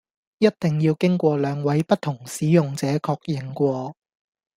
一定要經過兩位不同使用者確認過